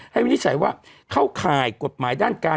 วินิจฉัยว่าเข้าข่ายกฎหมายด้านการ